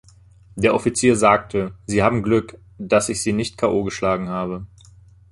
Der Offizier sagte: "Sie haben Glück, dass ich Sie nicht K. O. geschlagen habe!